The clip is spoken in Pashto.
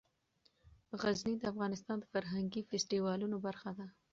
غزني د افغانستان د فرهنګي فستیوالونو برخه ده.